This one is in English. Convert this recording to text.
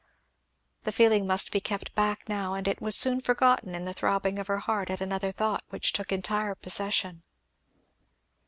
The feeling must be kept back now, and it was soon forgotten in the throbbing of her heart at another thought which took entire possession.